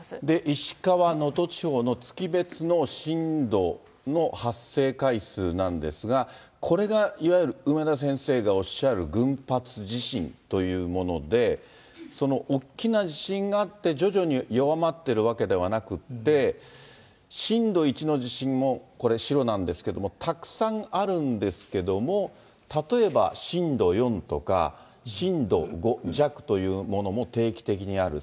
石川・能登地方の月別の震度の発生回数なんですが、これがいわゆる梅田先生がおっしゃる群発地震というもので、その大きな地震があって、徐々に弱まってるわけではなくて、震度１の地震も、これ、白なんですけれども、たくさんあるんですけども、例えば震度４とか、震度５弱というものも定期的にある。